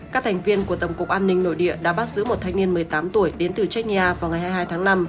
các thành viên của tổng cục an ninh nội địa đã bắt giữ một thanh niên một mươi tám tuổi đến từ chernia vào ngày hai mươi hai tháng năm